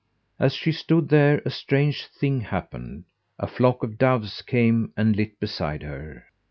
As she stood there a strange thing happened; a flock of doves came and lit beside her.